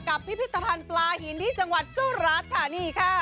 พิพิธภัณฑ์ปลาหินที่จังหวัดสุราชค่ะนี่ค่ะ